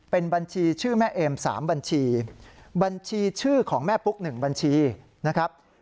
เป็นบัญชีชื่อแม่เอม๓บัญชีบัญชีชื่อของแม่ปุ๊ก๑บัญชีนะครับ